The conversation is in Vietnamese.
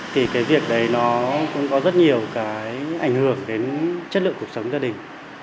thì cái việc đấy nó cũng có rất nhiều cái ảnh hưởng đến chất lượng cuộc sống gia đình